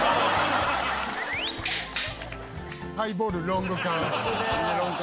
「ハイボールロング缶」